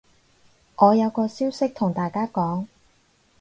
我有個消息同大家講